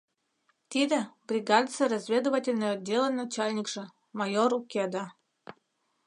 Тиде — бригадысе разведывательный отделын начальникше майор Укеда.